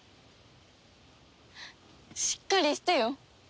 しっかりしてよ！